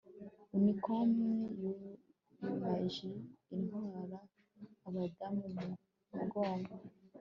Unicorn yubumaji itwara abadamu mumugongo